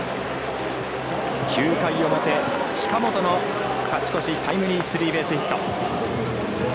９回表、近本の勝ち越しタイムリースリーベースヒット。